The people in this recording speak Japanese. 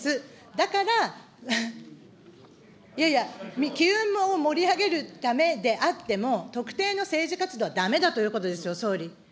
だから、いやいや、機運を盛り上げるためであっても、特定の政治活動はだめだということですよ、総理。